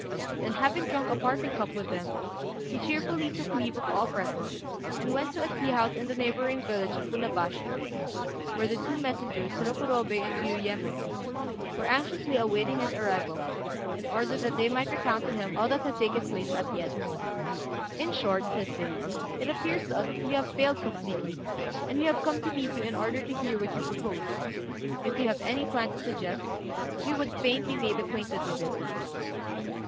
Then, having drunk a parting cup with them, he cheerfully took leave of all present, and went to a tea house in the neighbouring village of Funabashi, where the two messengers, Rokurobei and Jiuyémon, were anxiously awaiting his arrival, in order that they might recount to him all that had taken place at Yedo. "In short," said they, "it appears to us that we have failed completely; and we have come to meet you in order to hear what you propose. If you have any plan to suggest, we would fain be made acquainted with it."